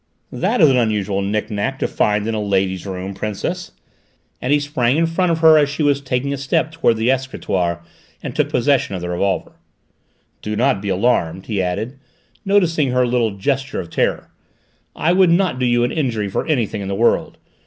"That is an unusual knick knack to find in a lady's room, Princess," and he sprang in front of her as she was taking a step towards the escritoire, and took possession of the revolver. "Do not be alarmed," he added, noticing her little gesture of terror. "I would not do you an injury for anything in the world.